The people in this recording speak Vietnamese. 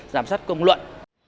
giám sát công luận